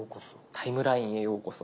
「タイムラインへようこそ」。